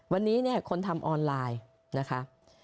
วันนี้เนี่ยคนทำออนไลน์นะคะ